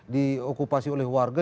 diokupasi oleh warga